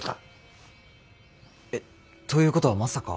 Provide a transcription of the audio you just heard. えっということはまさか。